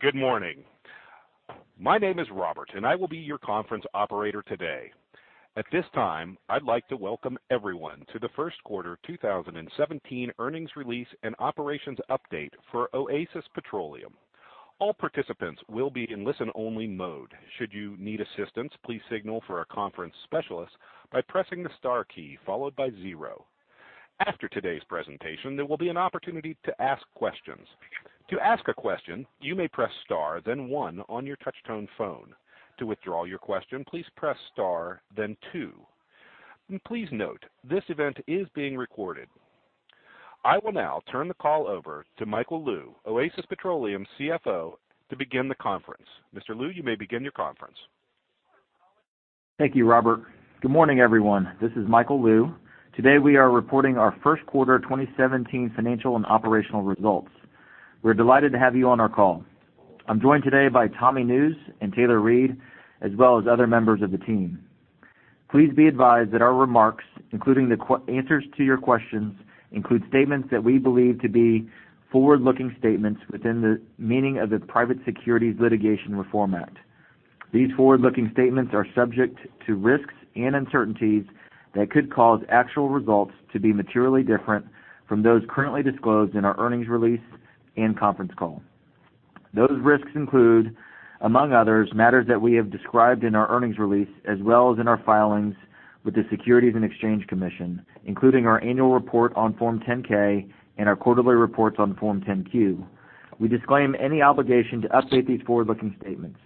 Good morning. My name is Robert, and I will be your conference operator today. At this time, I'd like to welcome everyone to the first quarter 2017 earnings release and operations update for Oasis Petroleum. All participants will be in listen-only mode. Should you need assistance, please signal for a conference specialist by pressing the star key followed by 0. After today's presentation, there will be an opportunity to ask questions. To ask a question, you may press star then 1 on your touchtone phone. To withdraw your question, please press star then 2. Please note, this event is being recorded. I will now turn the call over to Michael Lou, Oasis Petroleum CFO, to begin the conference. Mr. Lou, you may begin your conference. Thank you, Robert. Good morning, everyone. This is Michael Lou. Today, we are reporting our first quarter 2017 financial and operational results. We're delighted to have you on our call. I'm joined today by Tommy Nusz and Taylor Reid, as well as other members of the team. Please be advised that our remarks, including the answers to your questions, include statements that we believe to be forward-looking statements within the meaning of the Private Securities Litigation Reform Act. These forward-looking statements are subject to risks and uncertainties that could cause actual results to be materially different from those currently disclosed in our earnings release and conference call. Those risks include, among others, matters that we have described in our earnings release as well as in our filings with the Securities and Exchange Commission, including our annual report on Form 10-K and our quarterly reports on Form 10-Q. We disclaim any obligation to update these forward-looking statements.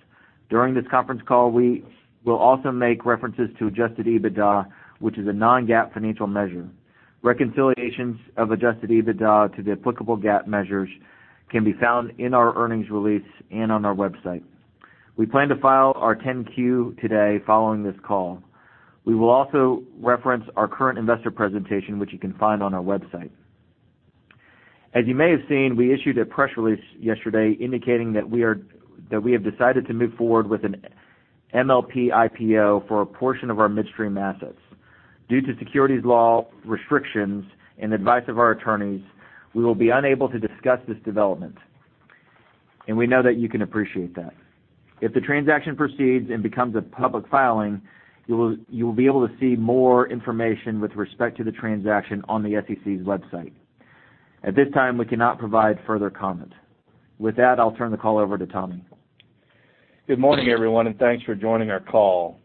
During this conference call, we will also make references to adjusted EBITDA, which is a non-GAAP financial measure. Reconciliations of adjusted EBITDA to the applicable GAAP measures can be found in our earnings release and on our website. We plan to file our 10-Q today following this call. We will also reference our current investor presentation, which you can find on our website. As you may have seen, we issued a press release yesterday indicating that we have decided to move forward with an MLP IPO for a portion of our midstream assets. Due to securities law restrictions and advice of our attorneys, we will be unable to discuss this development. We know that you can appreciate that. If the transaction proceeds and becomes a public filing, you will be able to see more information with respect to the transaction on the SEC's website. At this time, we cannot provide further comment. With that, I'll turn the call over to Tommy. Good morning, everyone, and thanks for joining our call.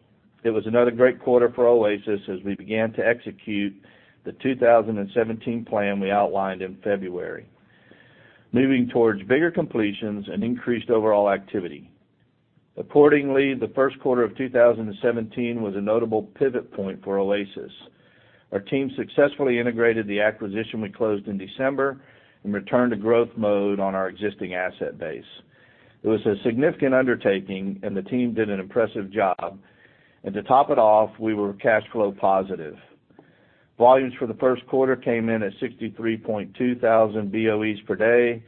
It was another great quarter for Oasis as we began to execute the 2017 plan we outlined in February, moving towards bigger completions and increased overall activity. The first quarter of 2017 was a notable pivot point for Oasis. Our team successfully integrated the acquisition we closed in December and returned to growth mode on our existing asset base. It was a significant undertaking and the team did an impressive job. To top it off, we were cash flow positive. Volumes for the first quarter came in at 63.2 thousand BOEs per day,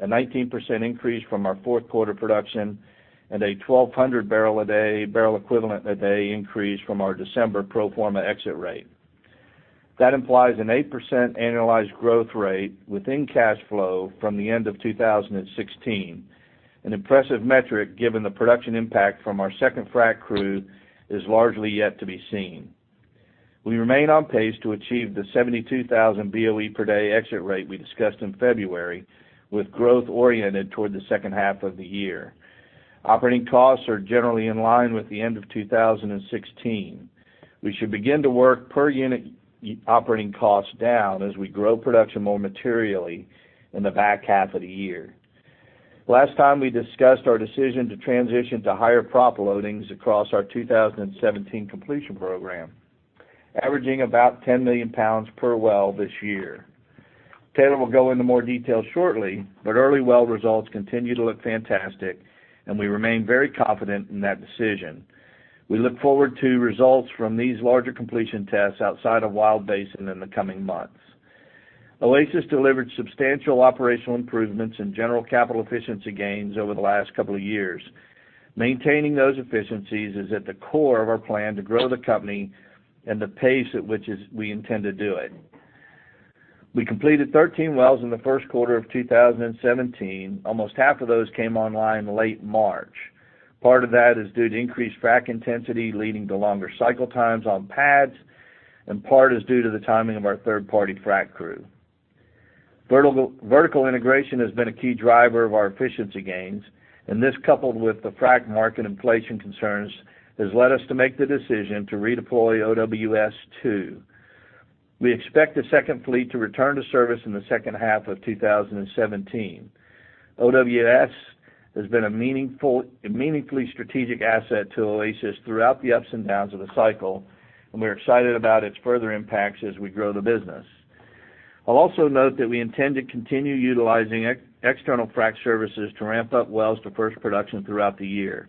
a 19% increase from our fourth quarter production and a 1,200 barrel equivalent a day increase from our December pro forma exit rate. That implies an 8% annualized growth rate within cash flow from the end of 2016, an impressive metric given the production impact from our second frac crew is largely yet to be seen. We remain on pace to achieve the 72,000 BOE per day exit rate we discussed in February, with growth oriented toward the second half of the year. Operating costs are generally in line with the end of 2016. We should begin to work per unit operating costs down as we grow production more materially in the back half of the year. Last time, we discussed our decision to transition to higher proppant loadings across our 2017 completion program, averaging about 10 million pounds per well this year. Taylor will go into more detail shortly, but early well results continue to look fantastic, and we remain very confident in that decision. We look forward to results from these larger completion tests outside of Wild Basin in the coming months. Oasis delivered substantial operational improvements and general capital efficiency gains over the last couple of years. Maintaining those efficiencies is at the core of our plan to grow the company and the pace at which we intend to do it. We completed 13 wells in the first quarter of 2017. Almost half of those came online late March. Part of that is due to increased frac intensity, leading to longer cycle times on pads, and part is due to the timing of our third-party frac crew. Vertical integration has been a key driver of our efficiency gains, and this, coupled with the frac market inflation concerns, has led us to make the decision to redeploy OWS 2. We expect the second fleet to return to service in the second half of 2017. OWS has been a meaningfully strategic asset to Oasis throughout the ups and downs of the cycle, and we're excited about its further impacts as we grow the business. I'll also note that we intend to continue utilizing external frac services to ramp up wells to first production throughout the year.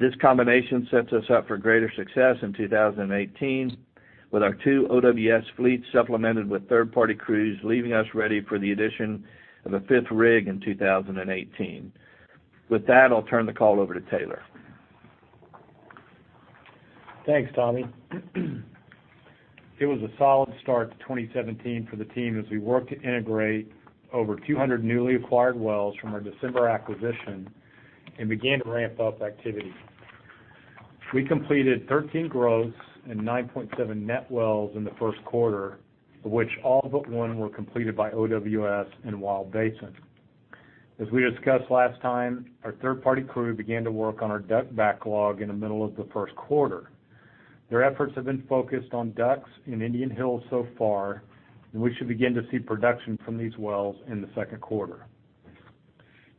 This combination sets us up for greater success in 2018 with our two OWS fleets supplemented with third-party crews, leaving us ready for the addition of a fifth rig in 2018. With that, I'll turn the call over to Taylor. Thanks, Tommy. It was a solid start to 2017 for the team as we worked to integrate over 200 newly acquired wells from our December acquisition and began to ramp up activity. We completed 13 gross and 9.7 net wells in the first quarter, of which all but one were completed by OWS in Wild Basin. As we discussed last time, our third-party crew began to work on our DUC backlog in the middle of the first quarter. Their efforts have been focused on DUCs in Indian Hills so far, and we should begin to see production from these wells in the second quarter.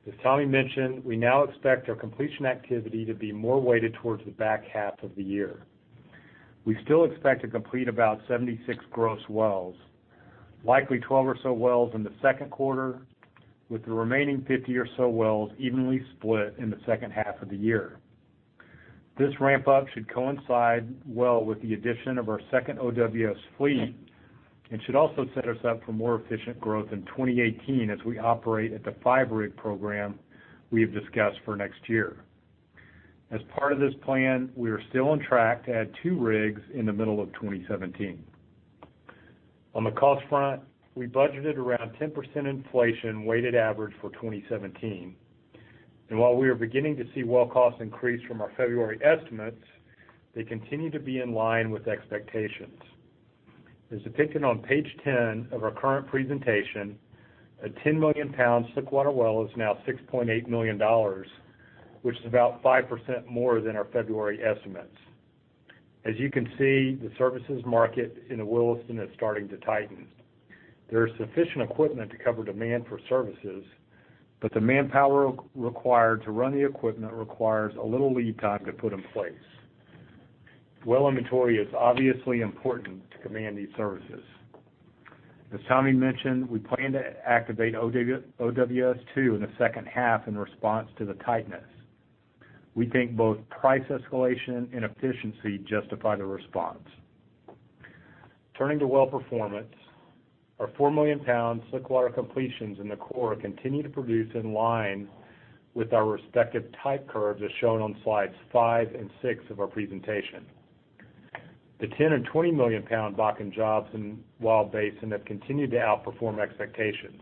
As Tommy mentioned, we now expect our completion activity to be more weighted towards the back half of the year. We still expect to complete about 76 gross wells, likely 12 or so wells in the second quarter, with the remaining 50 or so wells evenly split in the second half of the year. This ramp up should coincide well with the addition of our second OWS fleet and should also set us up for more efficient growth in 2018 as we operate at the five-rig program we have discussed for next year. As part of this plan, we are still on track to add two rigs in the middle of 2017. On the cost front, we budgeted around 10% inflation weighted average for 2017. While we are beginning to see well costs increase from our February estimates, they continue to be in line with expectations. As depicted on page 10 of our current presentation, a 10-million-pound slickwater well is now $6.8 million, which is about 5% more than our February estimates. As you can see, the services market in the Williston is starting to tighten. There is sufficient equipment to cover demand for services, but the manpower required to run the equipment requires a little lead time to put in place. Well inventory is obviously important to command these services. As Tommy mentioned, we plan to activate OWS 2 in the second half in response to the tightness. We think both price escalation and efficiency justify the response. Turning to well performance, our four-million-pound slickwater completions in the core continue to produce in line with our respective type curves, as shown on slides five and six of our presentation. The 10 and 20 million pound Bakken jobs in Wild Basin have continued to outperform expectations.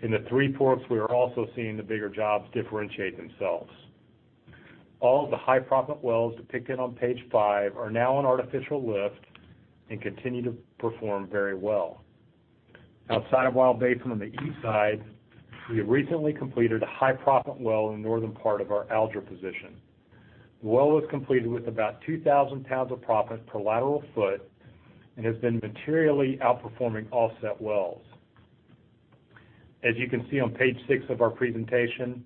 In the Three Forks, we are also seeing the bigger jobs differentiate themselves. All the high proppant wells depicted on page five are now on artificial lift and continue to perform very well. Outside of Wild Basin on the east side, we have recently completed a high proppant well in northern part of our Alger position. The well was completed with about 2,000 pounds of proppant per lateral foot and has been materially outperforming offset wells. As you can see on page six of our presentation,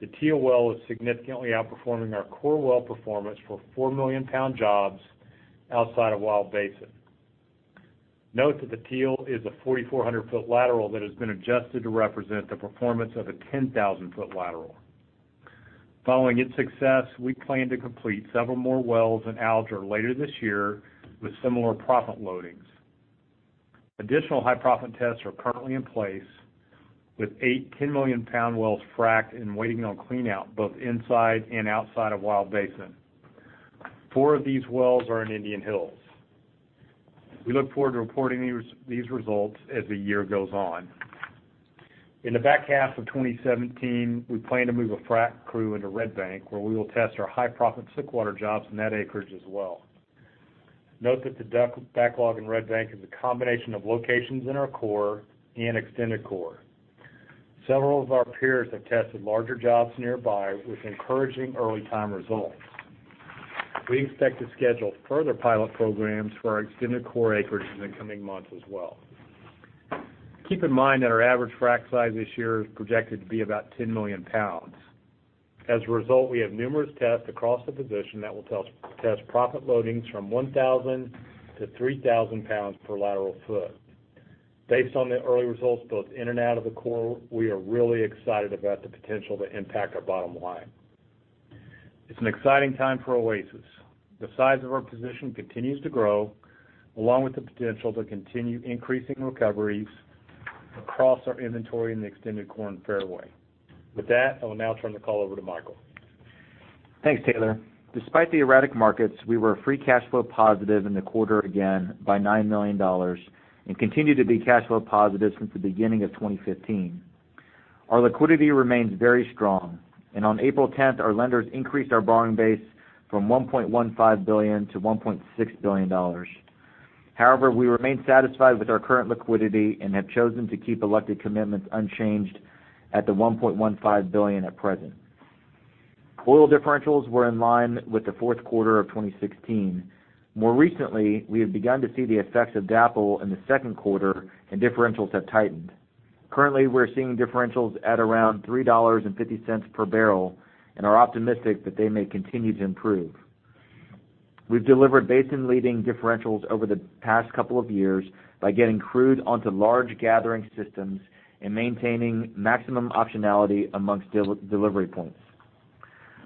the Teal well is significantly outperforming our core well performance for four-million-pound jobs outside of Wild Basin. Note that the Teal is a 4,400-foot lateral that has been adjusted to represent the performance of a 10,000-foot lateral. Following its success, we plan to complete several more wells in Alger later this year with similar proppant loadings. Additional high proppant tests are currently in place, with eight 10 million-pound wells fracked and waiting on clean-out both inside and outside of Wild Basin. Four of these wells are in Indian Hills. We look forward to reporting these results as the year goes on. In the back half of 2017, we plan to move a frack crew into Red Bank, where we will test our high proppant slickwater jobs in that acreage as well. Note that the DUC backlog in Red Bank is a combination of locations in our core and extended core. Several of our peers have tested larger jobs nearby with encouraging early time results. We expect to schedule further pilot programs for our extended core acreage in the coming months as well. Keep in mind that our average frack size this year is projected to be about 10 million pounds. As a result, we have numerous tests across the position that will test proppant loadings from 1,000 to 3,000 pounds per lateral foot. Based on the early results both in and out of the core, we are really excited about the potential to impact our bottom line. It's an exciting time for Oasis. The size of our position continues to grow, along with the potential to continue increasing recoveries across our inventory in the extended core and fairway. With that, I will now turn the call over to Michael. Thanks, Taylor. Despite the erratic markets, we were free cash flow positive in the quarter again by $9 million and continue to be cash flow positive since the beginning of 2015. Our liquidity remains very strong, and on April 10th, our lenders increased our borrowing base from $1.15 billion to $1.6 billion. However, we remain satisfied with our current liquidity and have chosen to keep elected commitments unchanged at the $1.15 billion at present. Oil differentials were in line with the fourth quarter of 2016. More recently, we have begun to see the effects of DAPL in the second quarter, and differentials have tightened. Currently, we're seeing differentials at around $3.50 per barrel and are optimistic that they may continue to improve. We've delivered basin-leading differentials over the past couple of years by getting crude onto large gathering systems and maintaining maximum optionality amongst delivery points.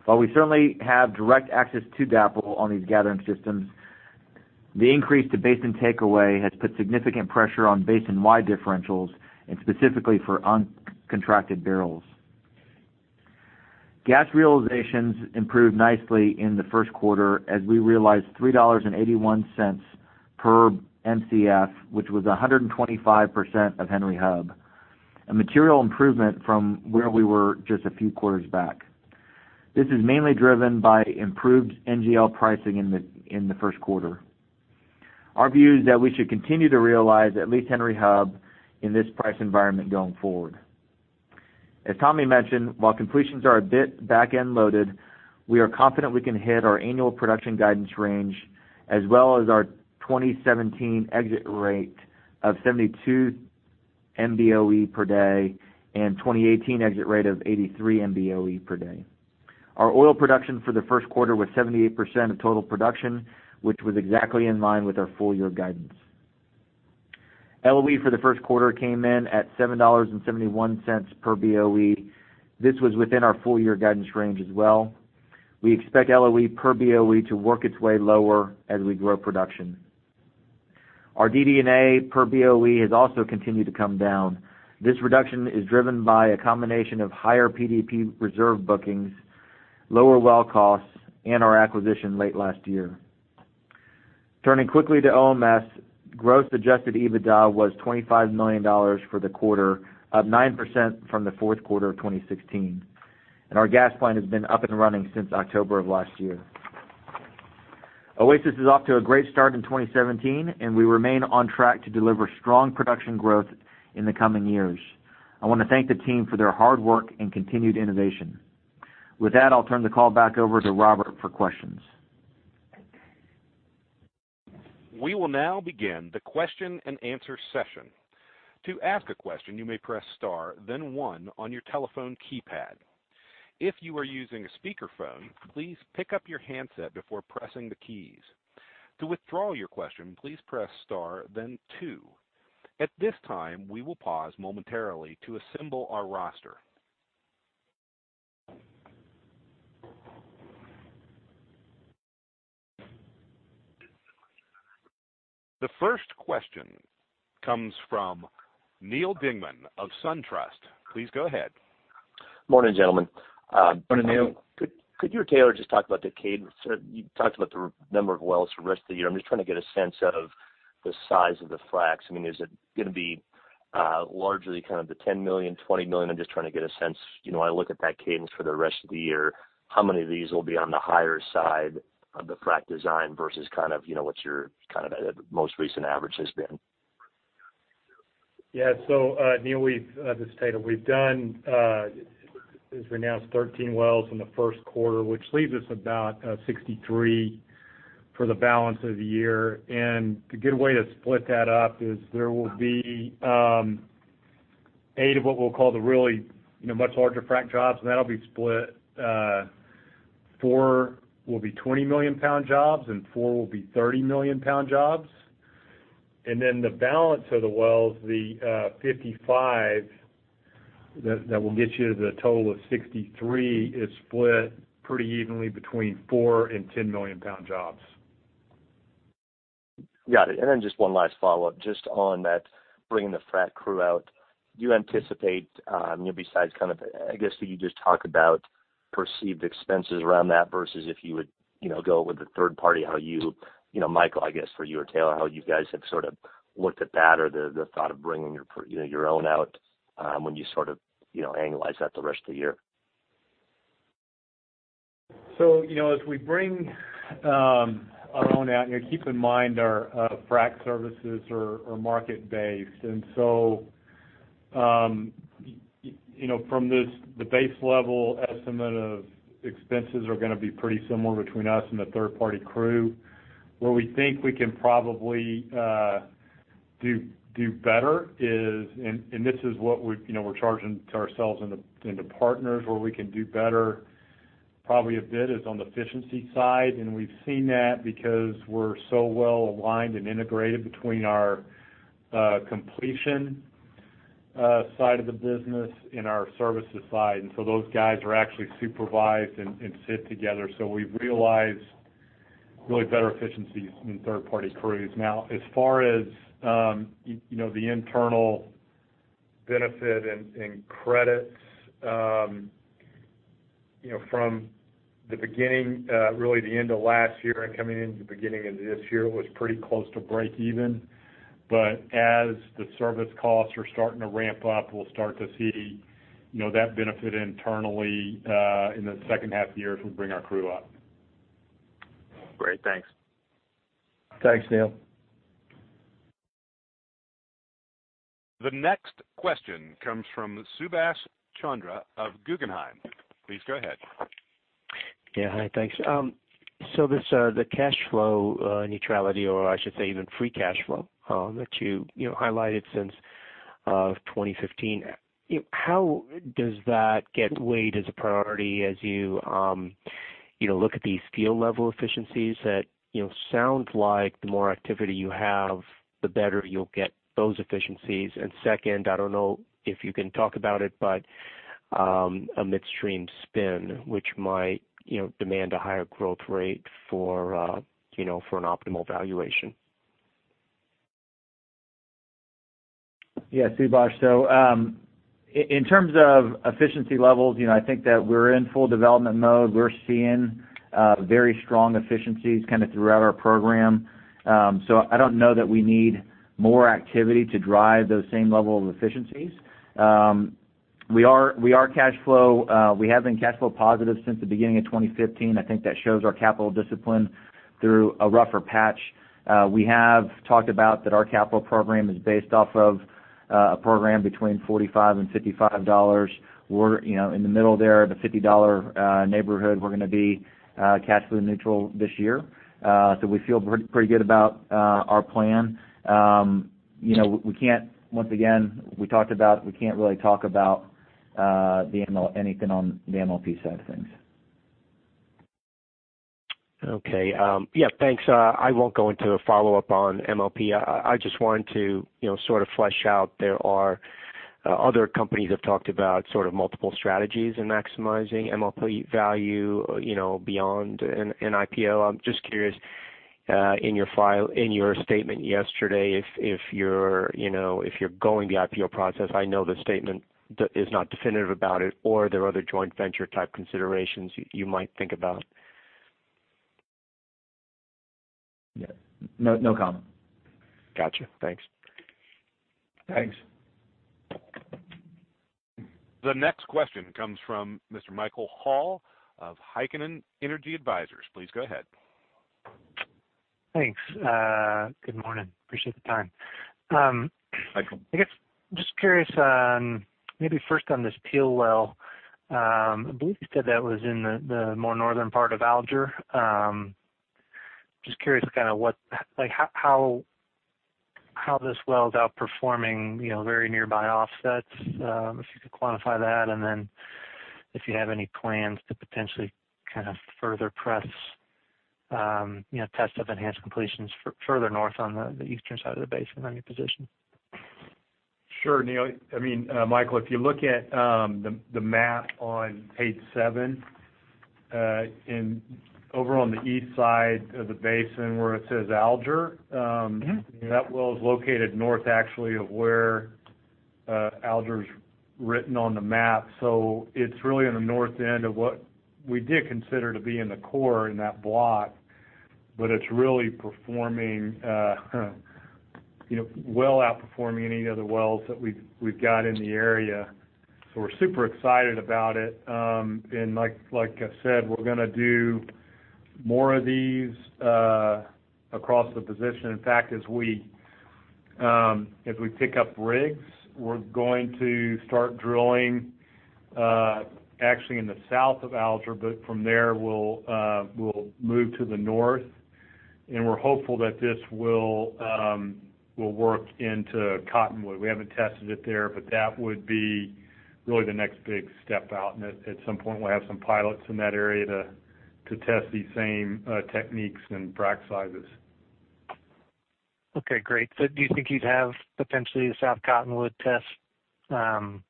While we certainly have direct access to DAPL on these gathering systems, the increase to basin takeaway has put significant pressure on basin-wide differentials and specifically for uncontracted barrels. Gas realizations improved nicely in the first quarter as we realized $3.81 per Mcf, which was 125% of Henry Hub, a material improvement from where we were just a few quarters back. This is mainly driven by improved NGL pricing in the first quarter. Our view is that we should continue to realize at least Henry Hub in this price environment going forward. As Tommy mentioned, while completions are a bit back-end loaded, we are confident we can hit our annual production guidance range as well as our 2017 exit rate of 72 MBOE per day and 2018 exit rate of 83 MBOE per day. Our oil production for the first quarter was 78% of total production, which was exactly in line with our full-year guidance. LOE for the first quarter came in at $7.71 per BOE. This was within our full-year guidance range as well. We expect LOE per BOE to work its way lower as we grow production. Our DD&A per BOE has also continued to come down. This reduction is driven by a combination of higher PDP reserve bookings, lower well costs, and our acquisition late last year. Turning quickly to OMS, gross adjusted EBITDA was $25 million for the quarter, up 9% from the fourth quarter of 2016. Our gas plant has been up and running since October of last year. Oasis is off to a great start in 2017, and we remain on track to deliver strong production growth in the coming years. I want to thank the team for their hard work and continued innovation. With that, I'll turn the call back over to Robert for questions. We will now begin the question and answer session. To ask a question, you may press star then one on your telephone keypad. If you are using a speakerphone, please pick up your handset before pressing the keys. To withdraw your question, please press star then two. At this time, we will pause momentarily to assemble our roster. The first question comes from Neal Dingmann of SunTrust. Please go ahead. Morning, gentlemen. Morning, Neal. Could you or Taylor just talk about the cadence? You talked about the number of wells for the rest of the year. I'm just trying to get a sense of the size of the fracs. Is it going to be largely kind of the 10 million, 20 million? I'm just trying to get a sense. I look at that cadence for the rest of the year, how many of these will be on the higher side of the frac design versus what your most recent average has been? Yeah. Neal, this is Taylor. We've done, as we announced, 13 wells in the first quarter, which leaves us about 63 for the balance of the year. A good way to split that up is there will be eight of what we'll call the really much larger frac jobs, and that'll be split. Four will be 20-million-pound jobs, and four will be 30-million-pound jobs. Then the balance of the wells, the 55 that will get you to the total of 63, is split pretty evenly between four and 10-million-pound jobs. Got it. Then just one last follow-up, just on that, bringing the frac crew out. Do you anticipate, besides kind of, I guess, could you just talk about perceived expenses around that versus if you would go with a third party? How you, Michael, I guess, for you or Taylor, how you guys have sort of looked at that or the thought of bringing your own out when you sort of annualize that the rest of the year? As we bring our own out, keep in mind our frac services are market-based. From the base level estimate of expenses are going to be pretty similar between us and a third-party crew. Where we think we can probably do better is. This is what we're charging to ourselves and to partners where we can do better, probably a bit, is on the efficiency side. We've seen that because we're so well aligned and integrated between our completion side of the business and our services side. Those guys are actually supervised and sit together. We realize really better efficiencies than third-party crews. As far as the internal benefit and credits, from the beginning, really the end of last year and coming into the beginning of this year, it was pretty close to break even. As the service costs are starting to ramp up, we'll start to see that benefit internally in the second half of the year as we bring our crew up. Great. Thanks. Thanks, Neal. The next question comes from Subash Chandra of Guggenheim. Please go ahead. Yeah. Hi, thanks. The cash flow neutrality, or I should say even free cash flow that you highlighted since 2015, how does that get weighed as a priority as you look at these field-level efficiencies that sound like the more activity you have, the better you'll get those efficiencies? Second, I don't know if you can talk about it, but a midstream spin, which might demand a higher growth rate for an optimal valuation? Yeah, Subash. In terms of efficiency levels, I think that we're in full development mode. We're seeing very strong efficiencies kind of throughout our program. I don't know that we need more activity to drive those same level of efficiencies. We have been cash flow positive since the beginning of 2015. I think that shows our capital discipline through a rougher patch. We have talked about that our capital program is based off of a program between $45 and $55. We're in the middle there, the $50 neighborhood, we're going to be cash flow neutral this year. We feel pretty good about our plan. Once again, we talked about we can't really talk about anything on the MLP side of things. Okay. Yeah, thanks. I won't go into a follow-up on MLP. I just wanted to sort of flesh out, there are other companies have talked about sort of multiple strategies in maximizing MLP value beyond an IPO. I'm just curious, in your statement yesterday, if you're going the IPO process, I know the statement is not definitive about it, or are there other joint venture type considerations you might think about? Yeah. No comment. Got you. Thanks. Thanks. The next question comes from Mr. Michael Hall of Heikkinen Energy Advisors. Please go ahead. Thanks. Good morning. Appreciate the time. Michael. I guess just curious, maybe first on this Teal well. I believe you said that was in the more northern part of Alger. Just curious kind of how this well's outperforming very nearby offsets, if you could quantify that, and then if you have any plans to potentially kind of further press test of enhanced completions further north on the eastern side of the basin on your position. Sure, Michael. If you look at the map on page seven, over on the east side of the basin where it says Alger. That well is located north actually of where Alger's written on the map. It's really in the north end of what we did consider to be in the core in that block, but it's really well outperforming any other wells that we've got in the area. We're super excited about it. Like I said, we're going to do more of these across the position. In fact, as we pick up rigs, we're going to start drilling actually in the south of Alger, but from there, we'll move to the north, and we're hopeful that this will work into Cottonwood. We haven't tested it there, but that would be really the next big step out. At some point, we'll have some pilots in that area to test these same techniques and frac sizes. Okay, great. Do you think you'd have potentially the South Cottonwood test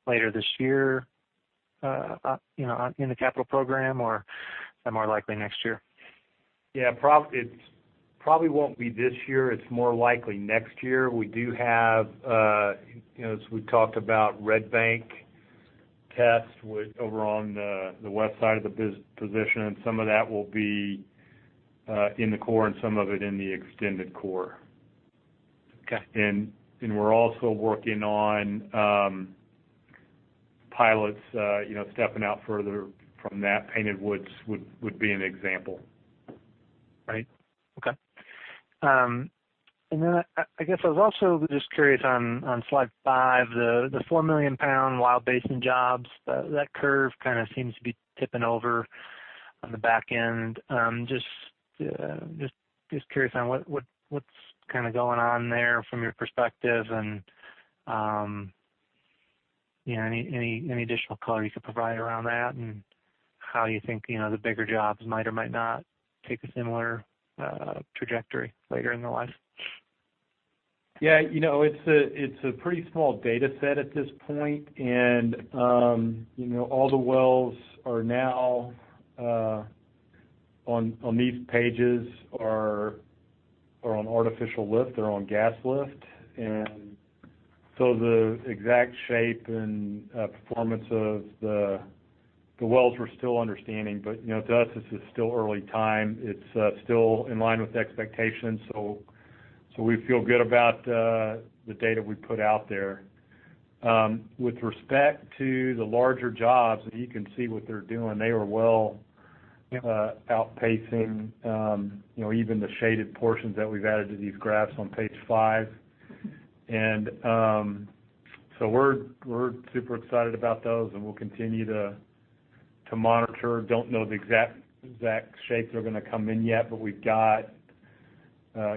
later this year in the capital program, or more likely next year? Yeah. It probably won't be this year. It's more likely next year. We do have, as we talked about, Red Bank test over on the west side of the position. Some of that will be in the core and some of it in the extended core. Okay. We're also working on pilots stepping out further from that. Painted Woods would be an example. Right. Okay. I guess I was also just curious on slide five, the 4 million pound Wild Basin jobs, that curve kind of seems to be tipping over on the back end. Just curious on what's kind of going on there from your perspective and any additional color you could provide around that. How you think the bigger jobs might or might not take a similar trajectory later in their life. Yeah. It's a pretty small data set at this point. All the wells are now on these pages are on artificial lift. They're on gas lift. The exact shape and performance of the wells, we're still understanding. To us, this is still early time. It's still in line with expectations. We feel good about the data we put out there. With respect to the larger jobs, you can see what they're doing, they are well outpacing even the shaded portions that we've added to these graphs on page five. We're super excited about those. We'll continue to monitor. Don't know the exact shapes that are going to come in yet. We've got, as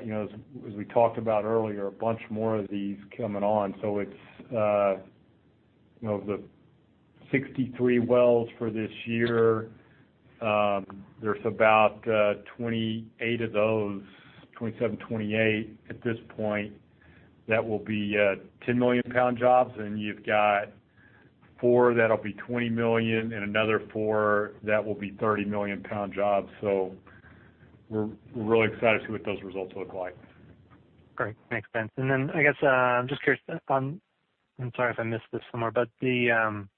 we talked about earlier, a bunch more of these coming on. It's the 63 wells for this year. There's about 28 of those, 27, 28 at this point, that will be 10-million-pound jobs. You've got 4 that'll be 20 million and another 4 that will be 30-million-pound jobs. We're really excited to see what those results look like. Great. Makes sense. I'm just curious, I'm sorry if I missed this somewhere, the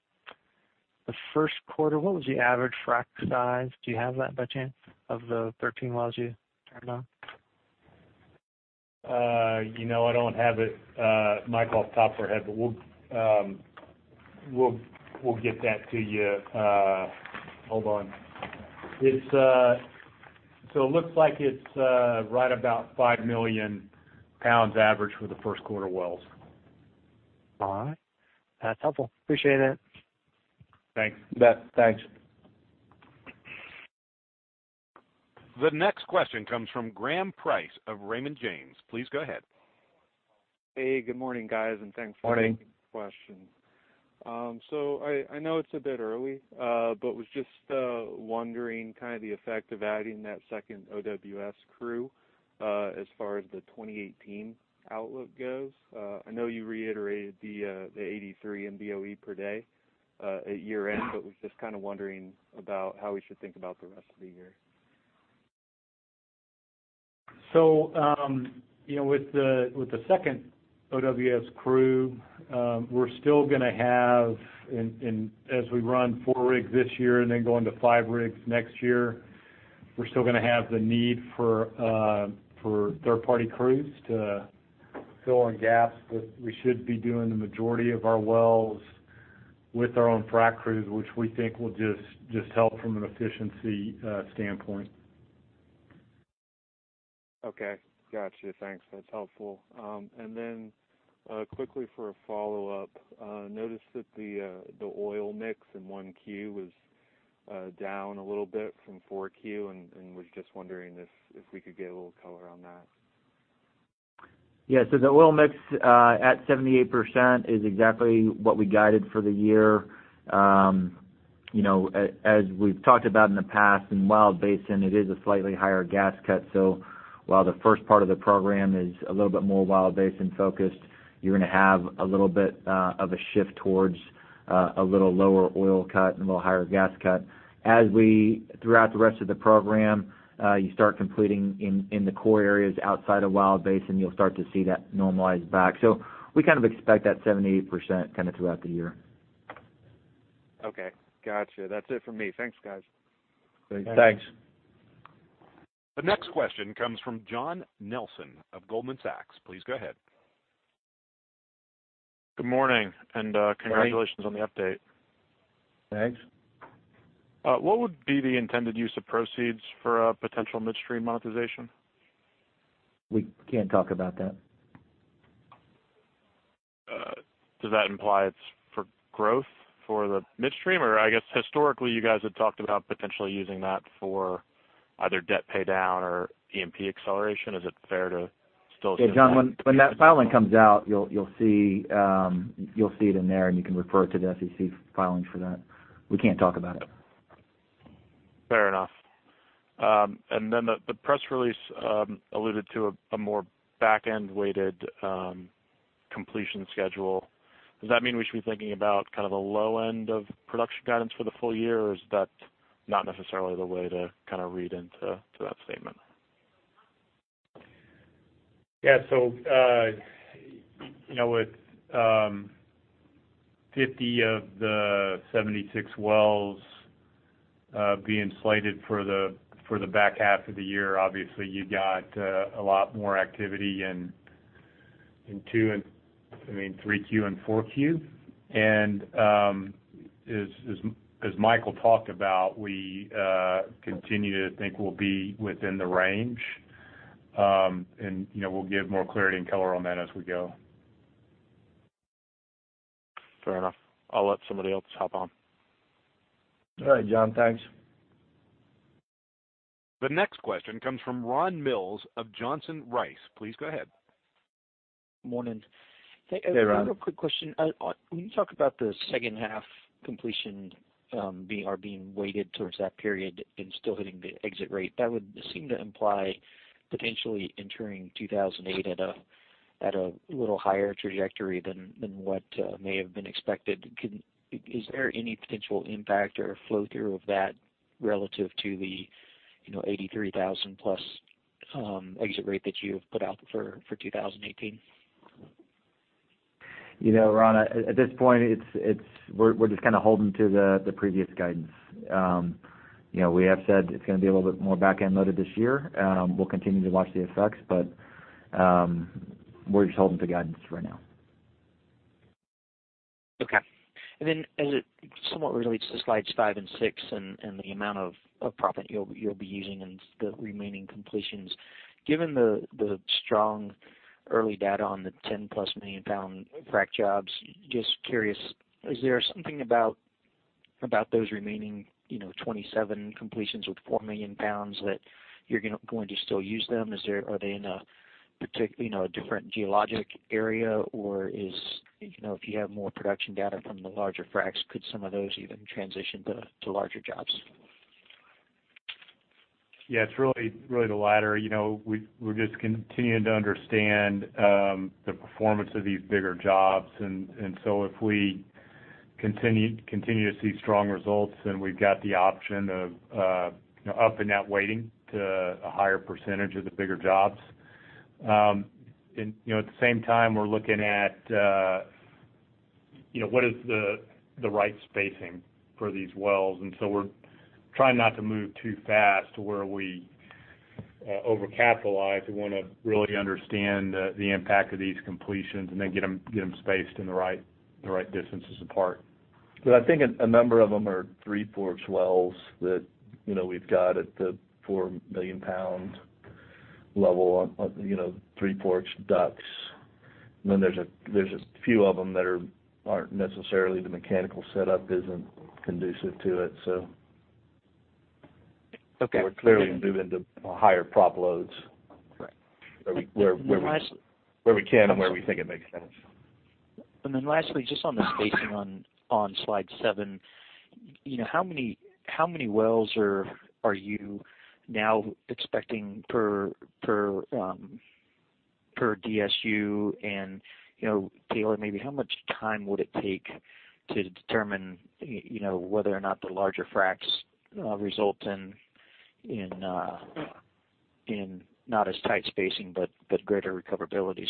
first quarter, what was the average frac size? Do you have that by chance, of the 13 wells you turned on? I don't have it, Michael, off the top of my head, we'll get that to you. Hold on. It looks like it's right about 5 million pounds average for the first quarter wells. All right. That's helpful. Appreciate it. Thanks. You bet. Thanks. The next question comes from Graham Price of Raymond James. Please go ahead. Hey, good morning, guys, and thanks for- Morning taking the question. I know it's a bit early, but was just wondering the effect of adding that second OWS crew, as far as the 2018 outlook goes. I know you reiterated the 83 MBOE per day at year-end, but was just wondering about how we should think about the rest of the year. With the second OWS crew, we're still going to have, as we run four rigs this year and then go into five rigs next year, we're still going to have the need for third-party crews to fill in gaps. We should be doing the majority of our wells with our own frac crews, which we think will just help from an efficiency standpoint. Okay. Got you. Thanks. That's helpful. Quickly for a follow-up, noticed that the oil mix in 1Q was down a little bit from 4Q, and was just wondering if we could get a little color on that. Yeah. The oil mix at 78% is exactly what we guided for the year. As we've talked about in the past, in Wild Basin, it is a slightly higher gas cut. While the first part of the program is a little bit more Wild Basin focused, you're going to have a little bit of a shift towards a little lower oil cut and a little higher gas cut. As we, throughout the rest of the program, you start completing in the core areas outside of Wild Basin, you'll start to see that normalize back. We kind of expect that 78% kind of throughout the year. Okay. Got you. That's it for me. Thanks, guys. Thanks. Thanks. The next question comes from John Nelson of Goldman Sachs. Please go ahead. Good morning. Good morning. Congratulations on the update. Thanks. What would be the intended use of proceeds for a potential midstream monetization? We can't talk about that. Does that imply it's for growth for the midstream? I guess historically, you guys had talked about potentially using that for either debt paydown or E&P acceleration. Is it fair to still assume that? Hey, John, when that filing comes out, you'll see it in there, and you can refer to the SEC filings for that. We can't talk about it. Fair enough. The press release alluded to a more back-end-weighted completion schedule. Does that mean we should be thinking about a low end of production guidance for the full year, or is that not necessarily the way to read into that statement? Yeah. With 50 of the 76 wells being slated for the back half of the year, obviously you got a lot more activity in 3Q and 4Q. As Michael talked about, we continue to think we'll be within the range, and we'll give more clarity and color on that as we go. Fair enough. I'll let somebody else hop on. All right, John. Thanks. The next question comes from Ron Mills of Johnson Rice. Please go ahead. Morning. Hey, Ron. Hey, a real quick question. When you talk about the second half completion are being weighted towards that period and still hitting the exit rate, that would seem to imply potentially entering 2018 at a little higher trajectory than what may have been expected. Is there any potential impact or flow-through of that relative to the 83,000-plus exit rate that you've put out for 2018? Ron, at this point, we're just holding to the previous guidance. We have said it's going to be a little bit more back-end loaded this year. We'll continue to watch the effects, but we're just holding to guidance right now. Okay. Then as it somewhat relates to slides five and six and the amount of proppant you'll be using in the remaining completions, given the strong early data on the 10-plus-million-pound frac jobs, just curious, is there something about those remaining 27 completions with four million pounds that you're going to still use them? Are they in a different geologic area? If you have more production data from the larger fracs, could some of those even transition to larger jobs? Yeah, it's really the latter. We're just continuing to understand the performance of these bigger jobs. If we continue to see strong results, then we've got the option of upping that weighting to a higher percentage of the bigger jobs. At the same time, we're looking at what is the right spacing for these wells. We're trying not to move too fast to where we over-capitalize. We want to really understand the impact of these completions and then get them spaced in the right distances apart. I think a number of them are Three Forks wells that we've got at the four-million-pound level on Three Forks DUCs. Then there's a few of them that aren't necessarily, the mechanical setup isn't conducive to it. Okay We're clearly moving to higher prop loads. Right. Where we can and where we think it makes sense. Lastly, just on the spacing on slide seven, how many wells are you now expecting per DSU? Taylor, maybe how much time would it take to determine whether or not the larger fracs result in not as tight spacing, but greater recoverabilities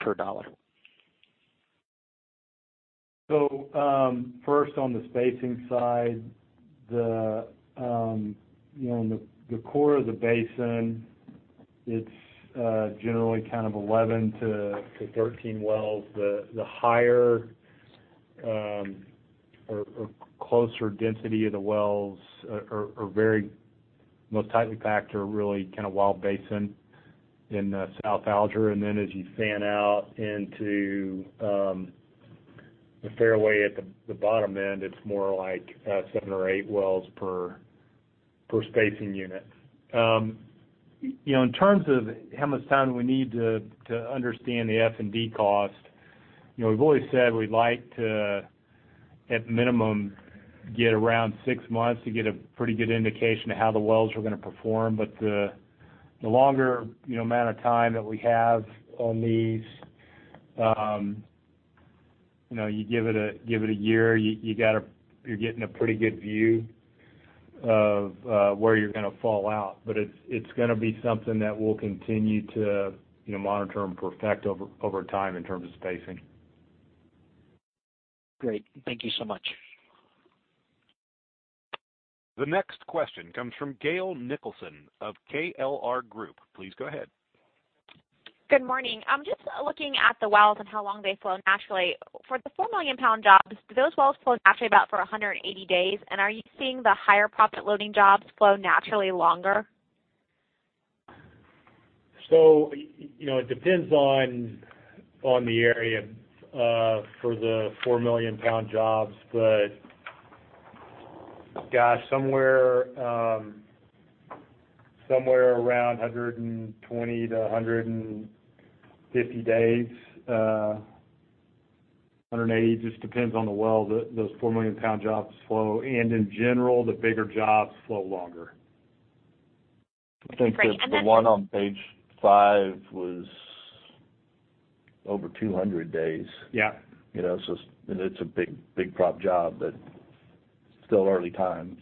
per dollar? First on the spacing side, the core of the basin, it's generally kind of 11 to 13 wells. The higher or closer density of the wells are most tightly packed are really kind of Wild Basin in South Alger. As you fan out into the fairway at the bottom end, it's more like seven or eight wells per spacing unit. In terms of how much time we need to understand the F&D cost, we've always said we'd like to, at minimum, get around six months to get a pretty good indication of how the wells are going to perform. The longer amount of time that we have on these, you give it a year, you're getting a pretty good view of where you're going to fall out. It's going to be something that we'll continue to monitor and perfect over time in terms of spacing. Great. Thank you so much. The next question comes from Gail Nicholson of KLR Group. Please go ahead. Good morning. I'm just looking at the wells and how long they flow naturally. For the 4 million-pound jobs, do those wells flow naturally about for 180 days? Are you seeing the higher proppant loading jobs flow naturally longer? It depends on the area for the 4 million-pound jobs. Gosh, somewhere around 120 to 150 days. 180. Just depends on the well, those 4 million-pound jobs flow. In general, the bigger jobs flow longer. Great. I think the one on page five was over 200 days. Yeah. It's a big prop job, still early times.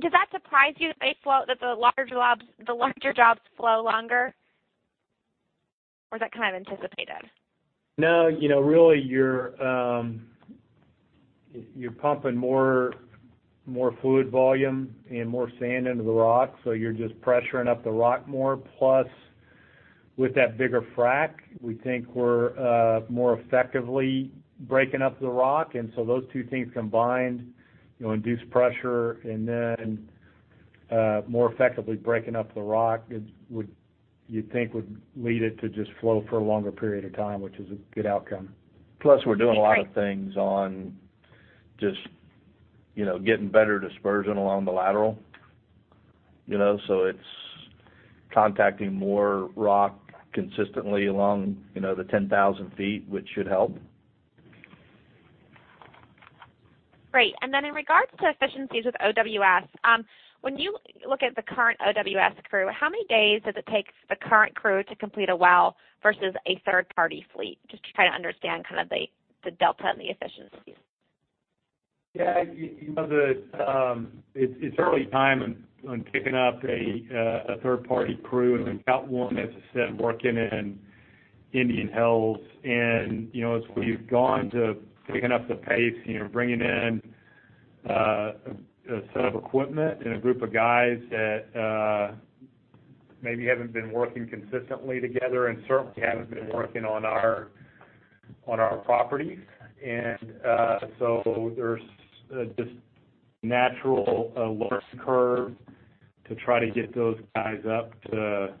Does that surprise you, that the larger jobs flow longer? Is that kind of anticipated? No, really, you're pumping more fluid volume and more sand into the rock, so you're just pressuring up the rock more. Plus, with that bigger frac, we think we're more effectively breaking up the rock. Those two things combined, induced pressure and then more effectively breaking up the rock, you'd think would lead it to just flow for a longer period of time, which is a good outcome. We're doing a lot of things on just getting better dispersion along the lateral. It's contacting more rock consistently along the 10,000 feet, which should help. Great. In regards to efficiencies with OWS, when you look at the current OWS crew, how many days does it take the current crew to complete a well versus a third-party fleet? Just to try to understand kind of the delta and the efficiencies. Yeah. It's early time on picking up a third-party crew. We've got one, as I said, working in Indian Hills. As we've gone to picking up the pace, bringing in a set of equipment and a group of guys that maybe haven't been working consistently together and certainly haven't been working on our properties. There's just natural learning curve to try to get those guys up to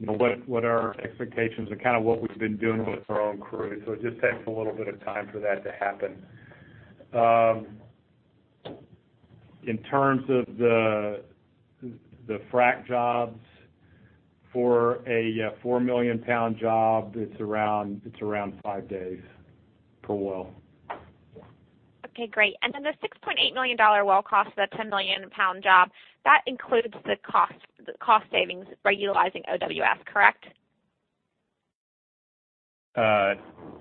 what our expectations are, kind of what we've been doing with our own crew. It just takes a little bit of time for that to happen. In terms of the frac jobs For a 4 million-pound job, it's around five days per well. Okay, great. The $6.8 million well cost, that 10 million-pound job, that includes the cost savings by utilizing OWS, correct?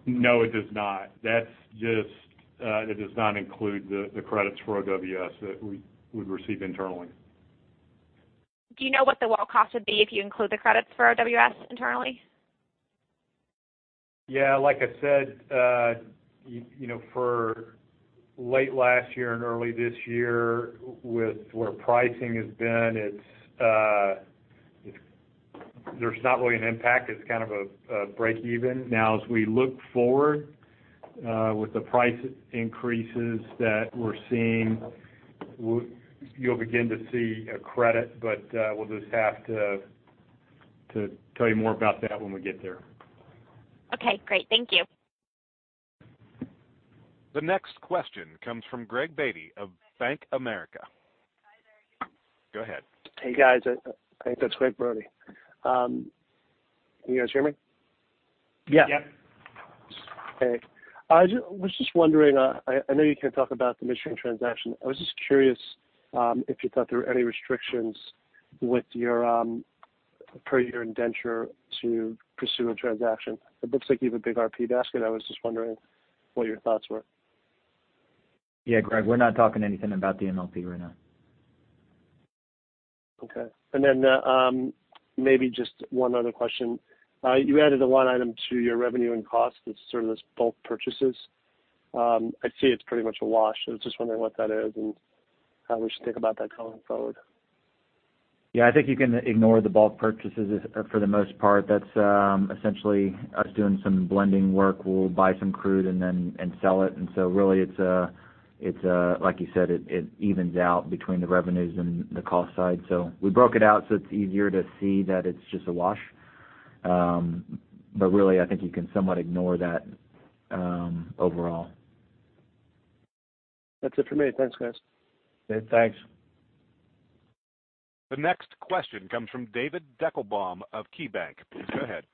No, it does not. That does not include the credits for OWS that we would receive internally. Do you know what the well cost would be if you include the credits for OWS internally? Yeah, like I said, for late last year and early this year with where pricing has been, there's not really an impact. It's kind of a break-even. As we look forward, with the price increases that we're seeing, you'll begin to see a credit, we'll just have to tell you more about that when we get there. Okay, great. Thank you. The next question comes from Gregg Brody of Bank of America. Go ahead. Hey, guys. I think that's Gregg Brody. Can you guys hear me? Yes. Okay. I was just wondering, I know you can't talk about the midstream transaction. I was just curious if you thought there were any restrictions with your prior indenture to pursue a transaction. It looks like you have a big PDP basket. I was just wondering what your thoughts were. Yeah, Gregg, we're not talking anything about the MLP right now. Okay. Maybe just one other question. You added a line item to your revenue and cost. It's sort of this bulk purchases. I'd say it's pretty much a wash. I was just wondering what that is and how we should think about that going forward. Yeah, I think you can ignore the bulk purchases for the most part. That's essentially us doing some blending work. We'll buy some crude and sell it. Really, like you said, it evens out between the revenues and the cost side. We broke it out so it's easier to see that it's just a wash. Really, I think you can somewhat ignore that overall. That's it for me. Thanks, guys. Thanks. The next question comes from David Deckelbaum of KeyBank. Please go ahead.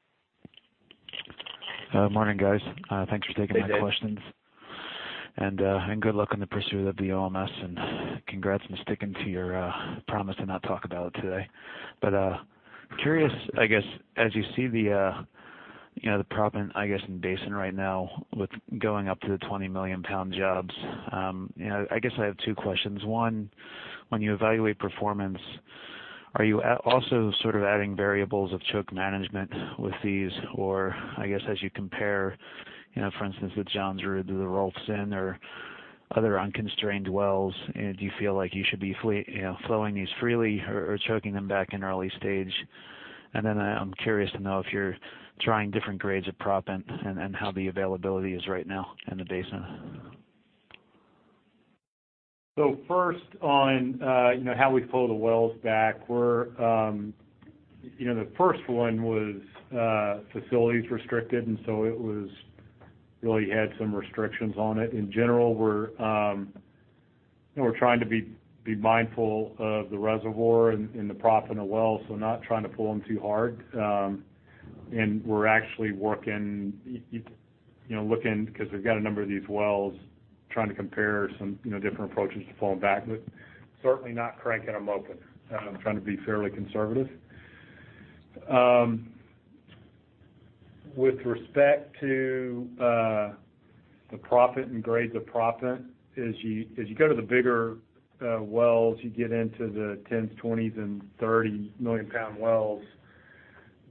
Morning, guys. Thanks for taking my questions. Hey, Dave. Good luck on the pursuit of the OMS, and congrats on sticking to your promise to not talk about it today. Curious, I guess, as you see the proppant, I guess, in basin right now with going up to the 20 million-pound jobs. I guess I have two questions. One, when you evaluate performance, are you also sort of adding variables of choke management with these? I guess as you compare, for instance, with Johnsrud to the Rolston or other unconstrained wells, do you feel like you should be flowing these freely or choking them back in early stage? Then I'm curious to know if you're trying different grades of proppant and how the availability is right now in the basin. First, on how we pull the wells back. The first one was facilities restricted, and so it really had some restrictions on it. In general, we're trying to be mindful of the reservoir and the proppant in the well, so not trying to pull them too hard. We're actually working, looking, because we've got a number of these wells, trying to compare some different approaches to pulling back with certainly not cranking them open, trying to be fairly conservative. With respect to the proppant and grades of proppant, as you go to the bigger wells, you get into the 10s, 20s, and 30 million-pound wells,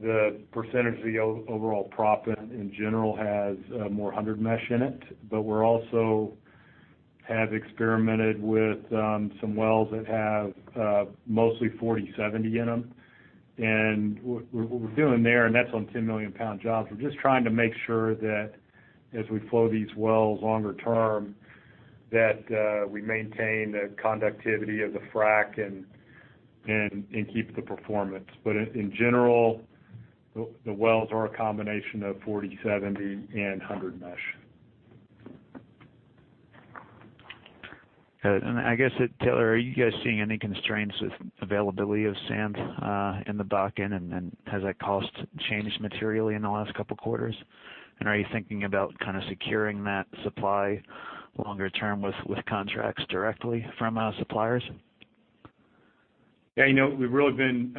the percentage of the overall proppant, in general, has more 100 mesh in it. We also have experimented with some wells that have mostly 40/70 in them. What we're doing there, that's on 10 million pound jobs, we're just trying to make sure that as we flow these wells longer term, that we maintain the conductivity of the frack and keep the performance. In general, the wells are a combination of 40, 70, and 100 mesh. Got it. I guess, Taylor, are you guys seeing any constraints with availability of sand in the back end? Has that cost changed materially in the last couple of quarters? Are you thinking about kind of securing that supply longer term with contracts directly from suppliers? We've really been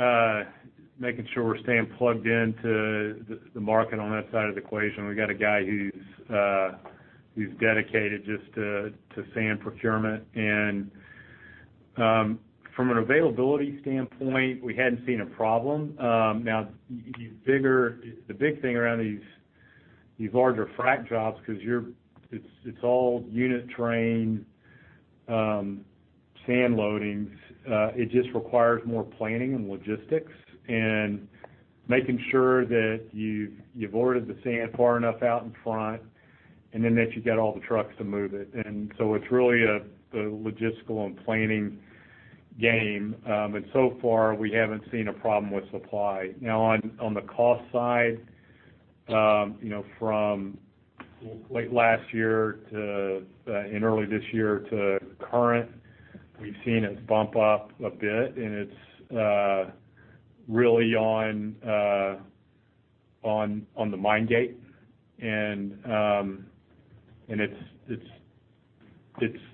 making sure we're staying plugged into the market on that side of the equation. We've got a guy who's dedicated just to sand procurement. From an availability standpoint, we hadn't seen a problem. Now, the big thing around these larger frack jobs, because it's all unit train sand loadings. It just requires more planning and logistics and making sure that you've ordered the sand far enough out in front and then that you've got all the trucks to move it. It's really a logistical and planning game. So far, we haven't seen a problem with supply. On the cost side, from late last year to early this year to current, we've seen it bump up a bit, it's really on the mine gate, it's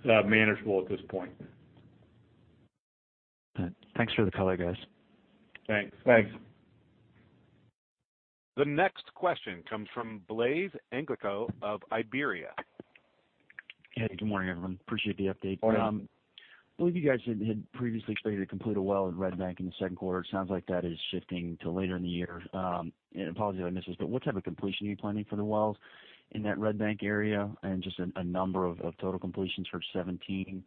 manageable at this point. All right. Thanks for the color, guys. Thanks. Thanks. The next question comes from Blaisdell Angelico of Iberia. Hey, good morning, everyone. Appreciate the update. Morning. I believe you guys had previously stated you completed a well in Red Bank in the second quarter. It sounds like that is shifting to later in the year. Apologies if I missed this, but what type of completion are you planning for the wells in that Red Bank area? Just a number of total completions for 2017.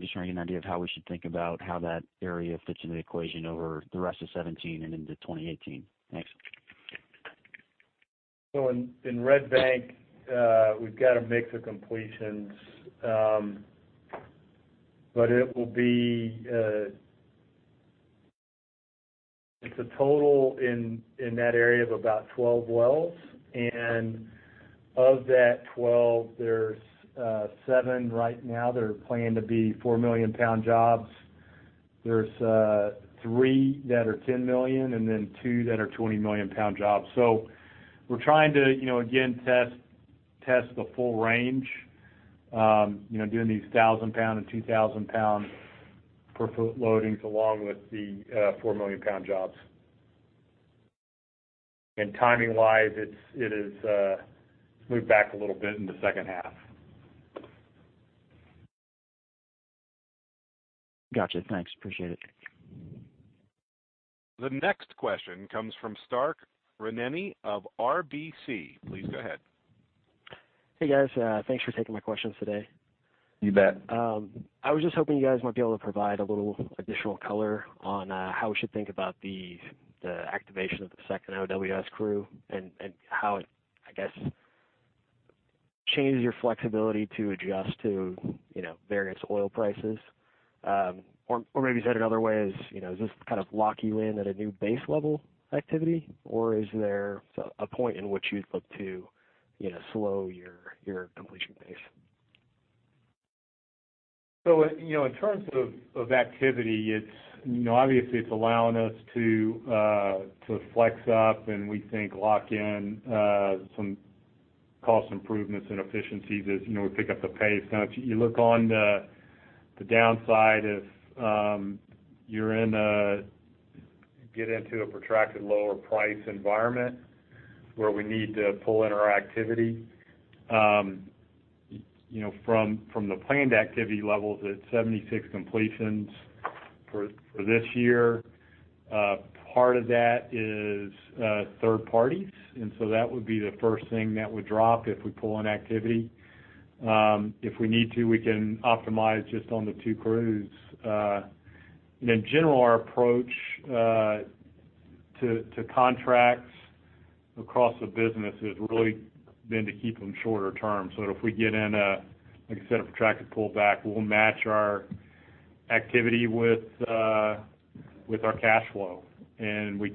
Just trying to get an idea of how we should think about how that area fits into the equation over the rest of 2017 and into 2018. Thanks. In Red Bank, we've got a mix of completions. It's a total in that area of about 12 wells, and of that 12, there's seven right now that are planned to be 4-million-pound jobs. There's three that are 10 million, and then two that are 20-million-pound jobs. We're trying to, again, test the full range, doing these 1,000 pound and 2,000 pound per foot loadings along with the 4-million-pound jobs. Timing wise, it has moved back a little bit into the second half. Got you. Thanks. Appreciate it. The next question comes from Scott Hanold of RBC. Please go ahead. Hey, guys. Thanks for taking my questions today. You bet. I was just hoping you guys might be able to provide a little additional color on how we should think about the activation of the second OWS crew and how it, I guess, changes your flexibility to adjust to various oil prices. Maybe said another way is, does this kind of lock you in at a new base level activity? Is there a point in which you'd look to slow your completion pace? In terms of activity, obviously it's allowing us to flex up and we think lock in some cost improvements and efficiencies as we pick up the pace. If you look on the downside, if you get into a protracted lower price environment where we need to pull in our activity. From the planned activity levels at 76 completions for this year, part of that is third parties, that would be the first thing that would drop if we pull in activity. If we need to, we can optimize just on the two crews. In general, our approach to contracts across the business has really been to keep them shorter term, so that if we get in a, like I said, a protracted pullback, we'll match our activity with our cash flow. We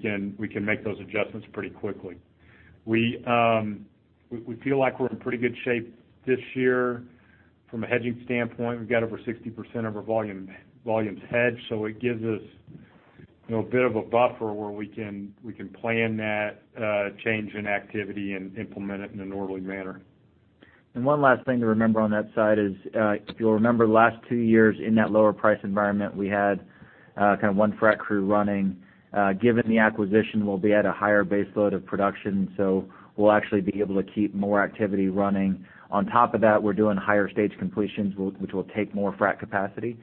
can make those adjustments pretty quickly. We feel like we're in pretty good shape this year from a hedging standpoint. We've got over 60% of our volumes hedged, it gives us a bit of a buffer where we can plan that change in activity and implement it in an orderly manner. One last thing to remember on that side is, if you'll remember last two years in that lower price environment, we had one frac crew running. Given the acquisition, we'll be at a higher base load of production, we'll actually be able to keep more activity running. On top of that, we're doing higher stage completions, which will take more frac capacity.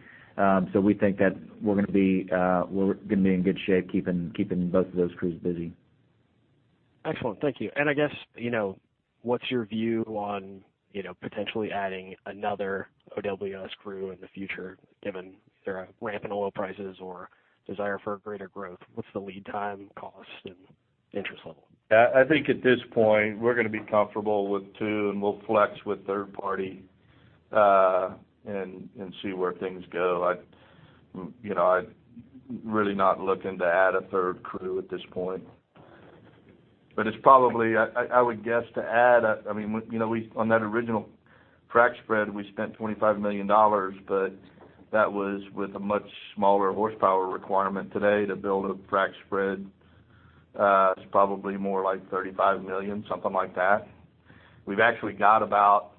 We think that we're going to be in good shape keeping both of those crews busy. Excellent. Thank you. I guess, what's your view on potentially adding another OWS crew in the future, given either a ramp in oil prices or desire for greater growth? What's the lead time, cost, and interest level? I think at this point, we're going to be comfortable with two, we'll flex with third party, see where things go. I'm really not looking to add a third crew at this point. It's probably, I would guess, to add, on that original frac spread, we spent $25 million, but that was with a much smaller horsepower requirement. Today, to build a frac spread, it's probably more like $35 million, something like that. We've actually got about,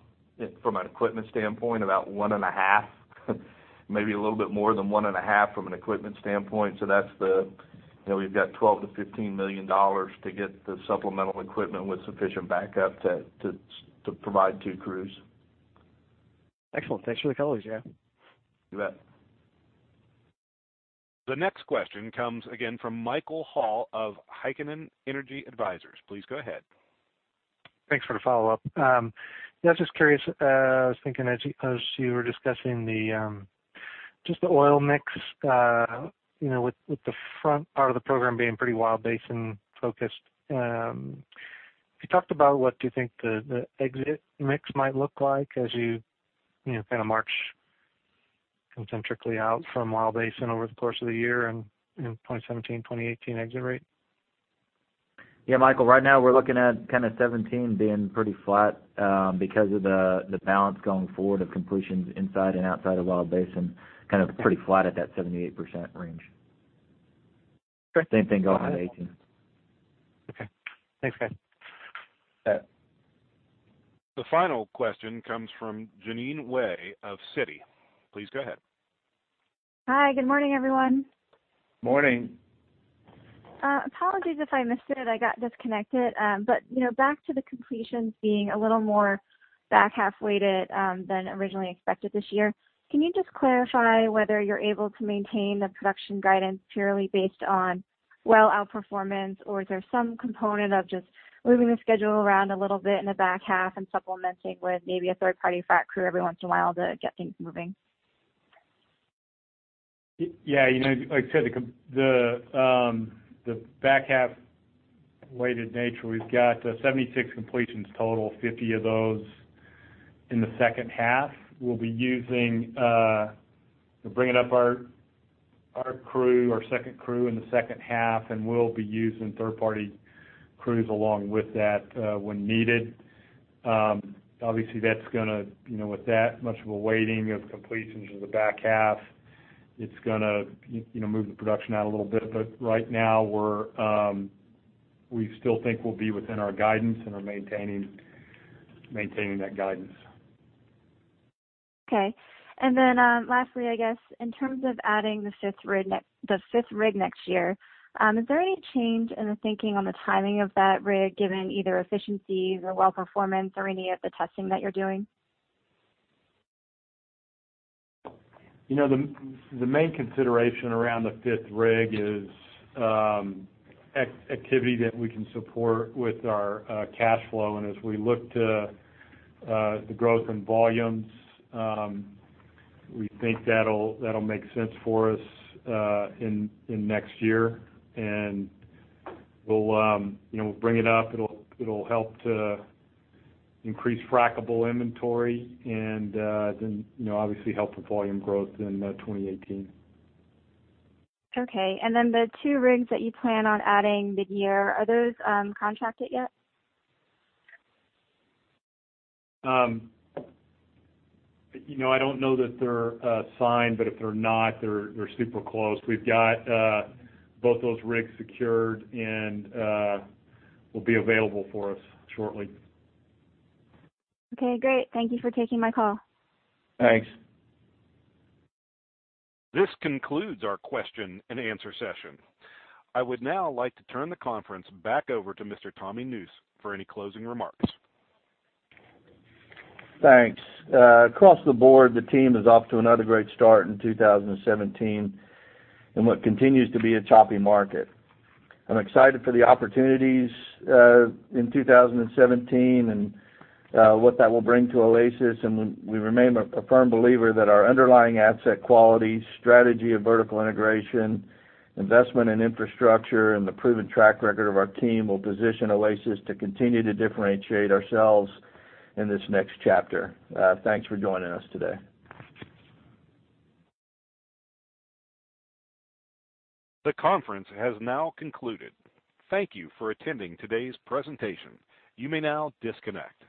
from an equipment standpoint, about one and a half, maybe a little bit more than one and a half from an equipment standpoint. We've got $12 million-$15 million to get the supplemental equipment with sufficient backup to provide two crews. Excellent. Thanks for the colors, Tay. You bet. The next question comes again from Michael Hall of Heikkinen Energy Advisors. Please go ahead. Thanks for the follow-up. Yeah, I was just curious, I was thinking as you were discussing just the oil mix, with the front part of the program being pretty Wild Basin focused. Have you talked about what you think the exit mix might look like as you kind of march concentrically out from Wild Basin over the course of the year and 2017, 2018 exit rate? Yeah, Michael, right now we're looking at kind of 2017 being pretty flat because of the balance going forward of completions inside and outside of Wild Basin, kind of pretty flat at that 78% range. Great. Same thing going into 2018. Okay. Thanks, guys. Yeah. The final question comes from Jeannine McWey of Citi. Please go ahead. Hi. Good morning, everyone. Morning. Apologies if I missed it, I got disconnected. Back to the completions being a little more back half-weighted than originally expected this year, can you just clarify whether you're able to maintain the production guidance purely based on well outperformance, or is there some component of just moving the schedule around a little bit in the back half and supplementing with maybe a third-party frac crew every once in a while to get things moving? Yeah. Like you said, the back half-weighted nature, we've got 76 completions total, 50 of those in the second half. We'll be bringing up our crew, our second crew in the second half, we'll be using third-party crews along with that when needed. Obviously, with that much of a weighting of completions in the back half, it's going to move the production out a little bit. Right now, we still think we'll be within our guidance and are maintaining that guidance. Okay. Lastly, I guess in terms of adding the fifth rig next year, is there any change in the thinking on the timing of that rig, given either efficiencies or well performance or any of the testing that you're doing? The main consideration around the fifth rig is activity that we can support with our cash flow. As we look to the growth in volumes, we think that'll make sense for us in next year. We'll bring it up. It'll help to increase frackable inventory and then obviously help the volume growth in 2018. Okay. The two rigs that you plan on adding mid-year, are those contracted yet? I don't know that they're signed, but if they're not, they're super close. We've got both those rigs secured and will be available for us shortly. Okay, great. Thank you for taking my call. Thanks. This concludes our question and answer session. I would now like to turn the conference back over to Mr. Tommy Nusz for any closing remarks. Thanks. Across the board, the team is off to another great start in 2017 in what continues to be a choppy market. I'm excited for the opportunities in 2017 and what that will bring to Oasis. We remain a firm believer that our underlying asset quality, strategy of vertical integration, investment in infrastructure, and the proven track record of our team will position Oasis to continue to differentiate ourselves in this next chapter. Thanks for joining us today. The conference has now concluded. Thank you for attending today's presentation. You may now disconnect.